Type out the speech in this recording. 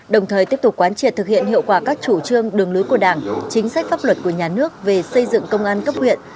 đồng thời tiếp tục quán triệt thực hiện hiệu quả các chủ trương đường lối của đảng chính sách pháp luật của nhà nước về xây dựng công an cấp huyện